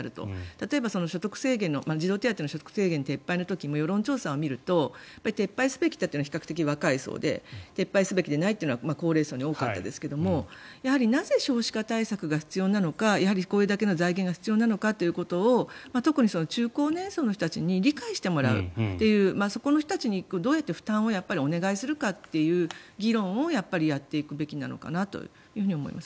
例えば児童手当の所得制限撤廃の時も世論調査を見ると撤廃すべきだというのは比較的若い層で撤廃すべきではないは高齢層に多かったですけどやはりなぜ、少子化対策が必要なのかやはりこれだけの財源が必要なのかということを特に中高年層の人たちに理解してもらうというそこの人たちにどうやって負担をお願いするかという議論をやっていくべきなのかなと思います。